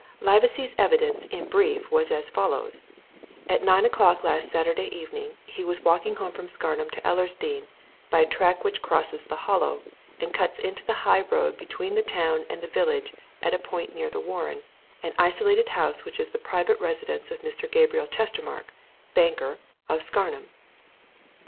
"'Livesey's evidence, in brief, was as follows: At nine o'clock last Saturday evening, he was walking home from Scarnham to Ellersdeane by a track which crosses the Hollow, and cuts into the high road between the town and the village at a point near the Warren, an isolated house which is the private residence of Mr. Gabriel Chestermarke, banker, of Scarnham.